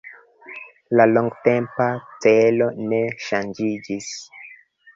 La longtempa celo ne ŝanĝiĝis.